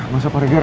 masa pak rejar